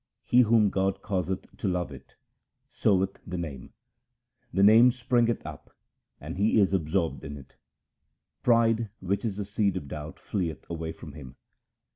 232 THE SIKH RELIGION Soweth the Name ; the Name springeth up, and he is absorbed in it. Pride which is the seed of doubt fleeth away from him.